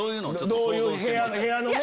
どういう部屋のね。